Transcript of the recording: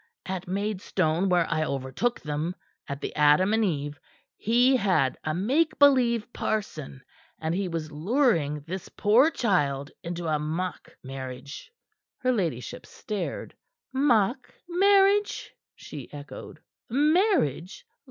At Maidstone, where I overtook them at the Adam and Eve he had a make believe parson, and he was luring this poor child into a mock marriage." Her ladyship stared. "Mock marriage?" she echoed. "Marriage?